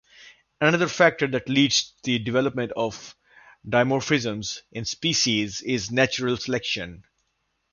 Another factor that leads to the development of dimorphisms in species is natural selection.